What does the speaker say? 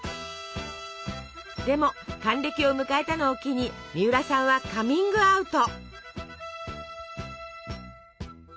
でも還暦を迎えたのを機にみうらさんはカミングアウト。